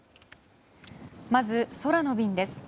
まず、空の便です。